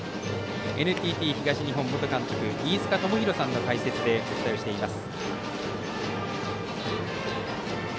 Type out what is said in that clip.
ＮＴＴ東日本元監督飯塚智広さんの解説でお伝えしています。